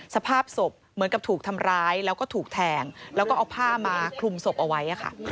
สภาพศพเหมือนกับถูกทำร้ายแล้วก็ถูกแทงแล้วก็เอาผ้ามาคลุมศพเอาไว้